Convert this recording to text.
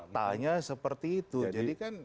tanya seperti itu jadi kan